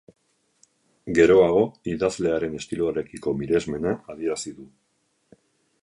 Geroago, idazlearen estiloarekiko miresmena adierazi du.